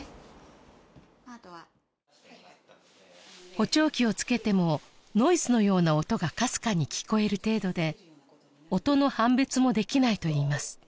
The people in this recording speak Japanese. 補聴器をつけてもノイズのような音がかすかに聞こえる程度で音の判別もできないと言います